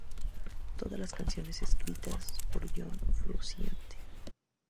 Todas las canciones escritas por John Frusciante